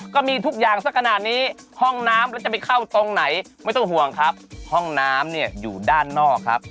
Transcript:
ก็มีทุกอย่างสักขนาดนี้ห้องน้ำแล้วจะไปเข้าตรงไหนไม่ต้องห่วงครับห้องน้ำเนี่ยอยู่ด้านนอกครับ